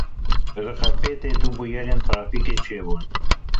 Li Xarpêtê du bûyerên trafîkê çêbûn.